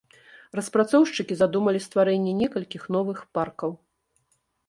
Распрацоўшчыкі задумалі стварэнне некалькіх новых паркаў.